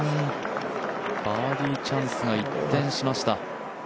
バーディーチャンスが一転しました。